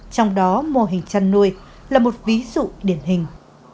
trong đó mô hình chăn nuôi là một ví dụ điển hình